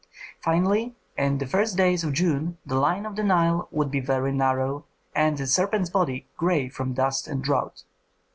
Finally, in the first days of June the line of the Nile would be very narrow and the serpent's body gray from dust and drought.